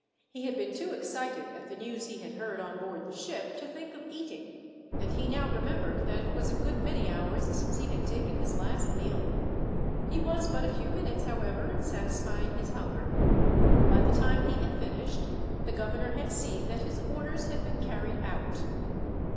He had been too excited, at the news he had heard on board the ship, to think of eating; and he now remembered that it was a good many hours since he had taken his last meal. He was but a few minutes, however, in satisfying his hunger. By the time he had finished, the governor had seen that his orders had been carried out.